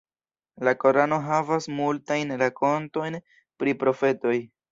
La Korano havas multajn rakontojn pri profetoj.